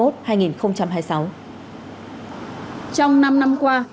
trong năm năm qua